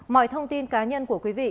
mọi thông tin cá nhân của quý vị